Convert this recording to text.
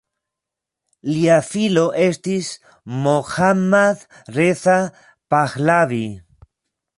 Lia filo estis Mohammad Reza Pahlavi.